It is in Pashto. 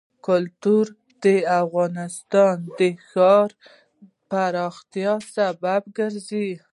کلتور د افغانستان د ښاري پراختیا سبب کېږي.